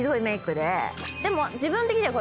でも。